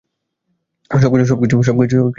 সবকিছু কি এতো সহজ নাকি, বাবা?